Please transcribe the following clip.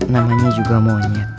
namanya juga monyet